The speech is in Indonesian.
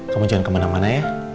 kamu jangan kemana mana ya